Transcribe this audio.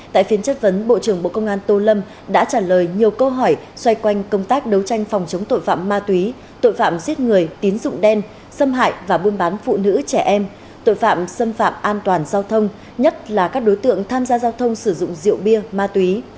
tại phiên chất vấn bộ trưởng bộ công an tô lâm đã trả lời nhiều câu hỏi xoay quanh công tác đấu tranh phòng chống tội phạm ma túy tội phạm giết người tín dụng đen xâm hại và buôn bán phụ nữ trẻ em tội phạm xâm phạm an toàn giao thông nhất là các đối tượng tham gia giao thông sử dụng rượu bia ma túy